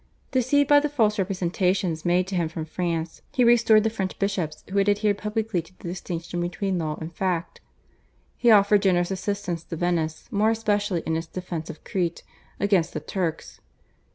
Deceived by the false representations made to him from France, he restored the French bishops who had adhered publicly to the distinction between law and fact. He offered generous assistance to Venice more especially in its defence of Crete against the Turks.